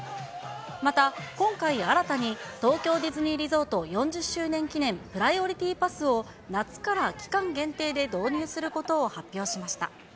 また、今回新たに、東京ディズニーリゾート４０周年記念プライオリティパスを夏から期間限定で導入することを発表しました。